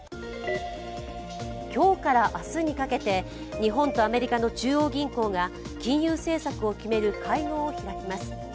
今日から明日にかけて日本とアメリカの中央銀行が金融政策を決める会合を開きます。